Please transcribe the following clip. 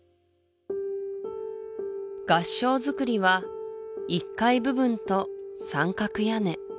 合掌造りは１階部分と三角屋根